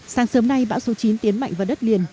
sáng sớm nay bão số chín tiến mạnh vào đất liền